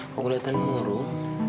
kau kelihatan muruh